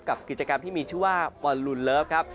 กับกิจกรรมที่มีชื่อว่าบอลลูนเลิฟครับ